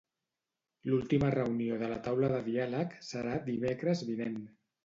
L'última reunió de la taula de diàleg serà dimecres vinent.